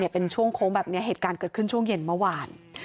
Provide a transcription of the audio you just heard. เป็นช่วงโค้งแบบนี้เหตุการณ์เกิดขึ้นช่วงเย็นเมื่อวาน